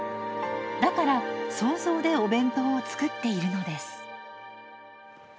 だから想像でお弁当を作っているのです。